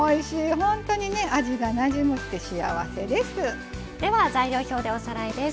本当に味がなじむって幸せです。